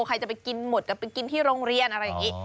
ใครจะไปกินหมดจะไปกินที่โรงเรียนอะไรอย่างนี้